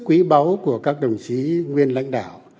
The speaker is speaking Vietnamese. quý báu của các đồng chí nguyên lãnh đạo